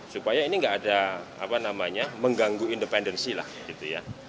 supaya ini nggak ada apa namanya mengganggu independensi lah gitu ya